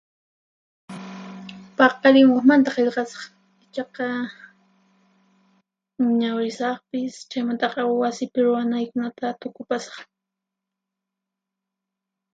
Paqarin waqmanta qillqasaq, ichaqa ñawirisaqpis, chaymantaqa wasipi ruwanaykunata tukupasaq.